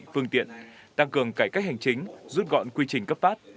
phương tiện tăng cường cải cách hành chính rút gọn quy trình cấp phát